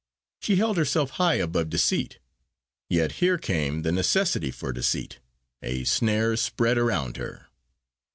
She held herself high above deceit. Yet, here came the necessity for deceit a snare spread around her.